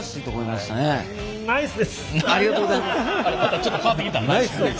またちょっと変わってきた。